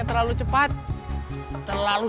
tasik tasik tasik